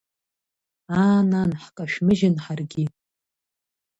Аа, нан, ҳкашәмыжьын ҳаргьы…